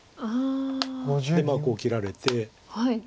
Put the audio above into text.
でこう切られて。